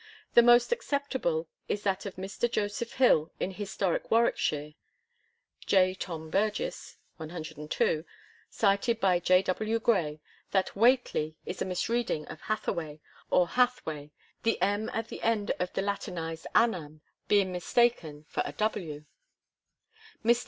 The most acceptable is that of Mr. Joseph Hill in Historic Warwickshire (J. Tom Burgess, 102), cited by J. W. Gray,i that 'Whateley' is a misreading of 'Hathaway,' or *Hathwey,* the 'm' at the end of the Latinised 'Annam' being mistaken for a *w.' Mr.